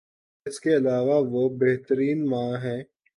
اس کے علاوہ وہ بہترین ماں ہیں